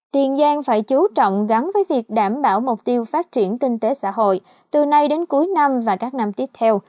tiền giang phải chú trọng gắn với việc đảm bảo mục tiêu phát triển kinh tế xã hội từ nay đến cuối năm và các năm tiếp theo